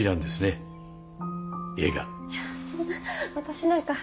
いやそんな私なんかとても。